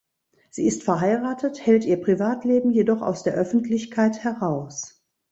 Sie ist verheiratet, hält ihr Privatleben jedoch aus der Öffentlichkeit heraus.